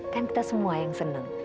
kan kita semua yang senang